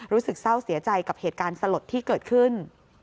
รู้สึกเศร้าเสียใจกับเหตุการณ์สลดที่เกิดขึ้น